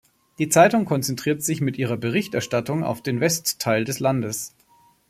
Die Zeitung konzentriert sich mit ihrer Berichterstattung auf den Westteil des Landes.